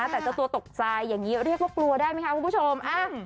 แต่เจ้าตัวตกใจอย่างนี้เรียกเหลือกลัวได้ไหมครับ